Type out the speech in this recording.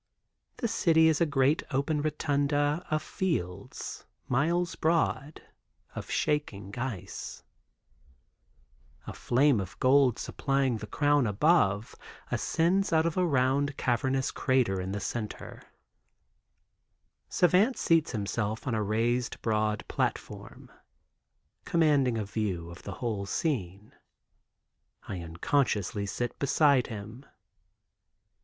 The center is a great open rotunda, of fields, miles broad, of shaking ice. A flame of gold supplying the Crown above ascends out of a round cavernous crater in the center. Savant seats himself on a raised broad platform, commanding a view of the whole scene. I unconsciously sit beside him.